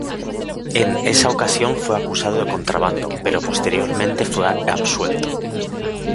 En esa ocasión fue acusado de contrabando, pero posteriormente fue absuelto.